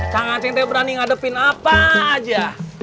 kak ngaceng teh berani ngadepin apa aja